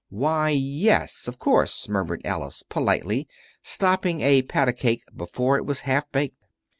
"Why, yes, of course," murmured Alice, politely, stopping a pat a cake before it was half baked.